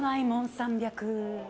３００。